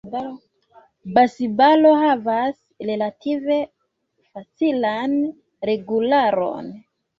Basbalo havas relative facilan regularon.